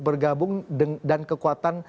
bergabung dan kekuatan